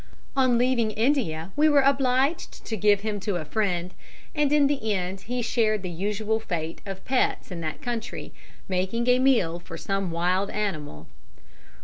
On leaving India we were obliged to give him to a friend, and in the end he shared the usual fate of pets in that country, making a meal for some wild animal.